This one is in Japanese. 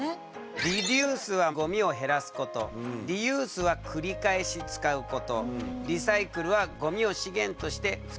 リデュースはごみを減らすことリユースは繰り返し使うことリサイクルはごみを資源として再び利用することだ。